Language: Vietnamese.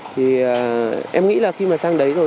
thì em nghĩ là khi mà sang đấy rồi